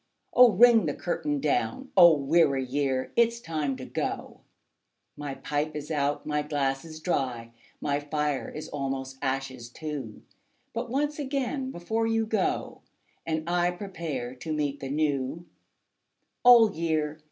Oh, ring the curtain down! Old weary year! it's time to go. My pipe is out, my glass is dry; My fire is almost ashes too; But once again, before you go, And I prepare to meet the New: Old Year!